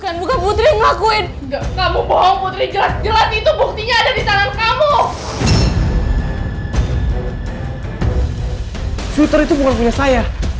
sweater itu bukan punya saya